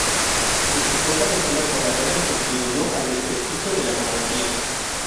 Su supuesta aventura con la reina contribuyó al desprestigio de la monarquía.